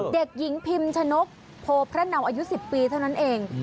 เด็กหญิงพิมชนกโพพระเนาอายุ๑๐ปีเท่านั้นเอง